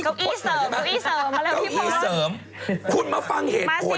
ดูอี้เสริมมาแล้วพี่พล